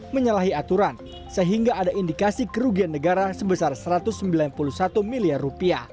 menyalahi aturan sehingga ada indikasi kerugian negara sebesar rp satu ratus sembilan puluh satu miliar